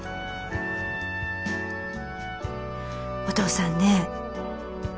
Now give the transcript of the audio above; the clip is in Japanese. お父さんね